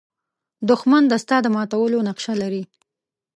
دښمن د ستا د ماتولو نقشه لري